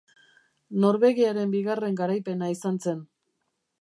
Norvegiaren bigarren garaipena izan zen.